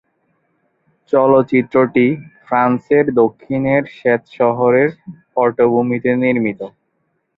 চলচ্চিত্রটি ফ্রান্সের দক্ষিণের সেত শহরের পটভূমিতে নির্মিত।